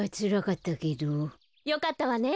よかったわね。